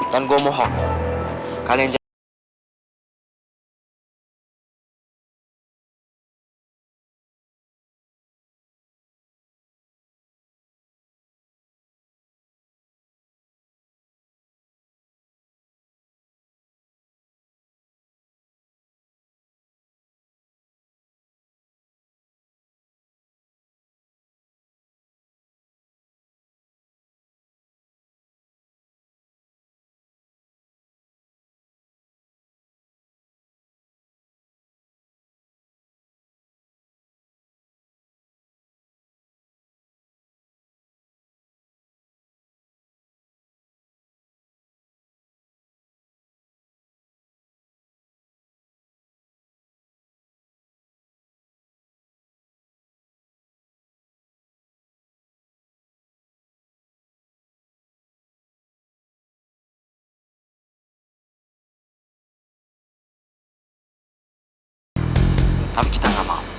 dan gue mohon kalian jangan